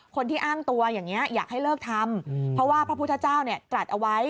คนที่อ้างตัวอย่างนี้อยากให้เลิกทำเพราะว่าพระพุทธเจ้าเนี่ยตรัสเอาไว้